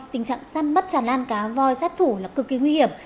tình trạng săn mất tràn lan cá voi sát thủ là cực kỳ nguy hiểm